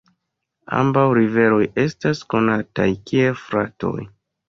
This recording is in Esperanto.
Ambaŭ riveroj estas konataj kiel fratoj.